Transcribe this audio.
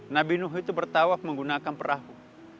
nabi nuh itu bertawaf menggunakan perahu